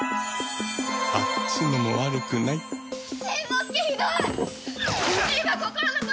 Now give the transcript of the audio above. あっちのも悪くない」って！